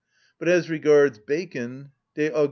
But as regards Bacon (_De augm.